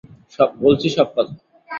বলছি সব কথা।